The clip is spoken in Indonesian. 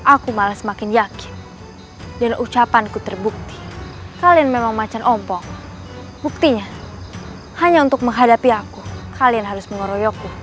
aku malah semakin yakin dan ucapanku terbukti kalian memang macan obok buktinya hanya untuk menghadapi aku kalian harus mengeroyokku